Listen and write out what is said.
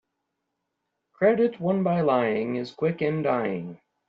Credit won by lying is quick in dying.